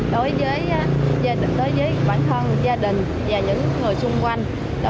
đối với bản thân gia đình và những người xung quanh